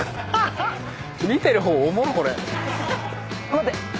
待って。